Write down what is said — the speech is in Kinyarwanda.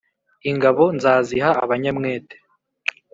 ingabo nzaziha abanyamwete